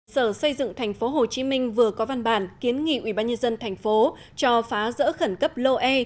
sở xây dựng thành phố hồ chí minh vừa có văn bản kiến nghị ubnd thành phố cho phá rỡ khẩn cấp lô e